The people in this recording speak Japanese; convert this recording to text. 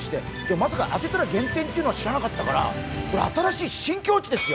まさか当てたら減点というのは知らなかったから新しい新境地ですよ。